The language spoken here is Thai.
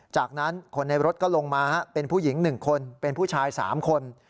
จากนั้นคนในรถก็ลงมาเป็นผู้หญิง๑คนเป็นผู้ชาย๓คน